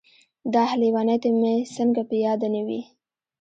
داح لېونۍ ته مې څنګه په ياده نه وې.